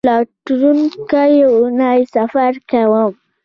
راتلونکۍ اونۍ سفر کوم